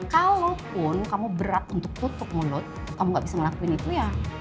kalaupun kamu berat untuk tutup mulut kamu gak bisa ngelakuin itu ya